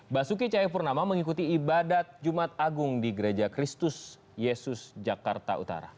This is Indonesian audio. basuki cahayapurnama mengikuti ibadat jumat agung di gereja kristus yesus jakarta utara